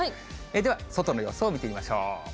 では外の様子を見てみましょう。